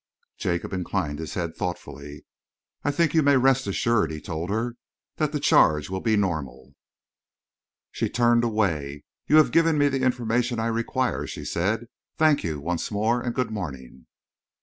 Jacob inclined his head thoughtfully. "I think you may rest assured," he told her, "that the charge will be normal." She turned away. "You have given me the information I require," she said. "Thank you once more, and good morning."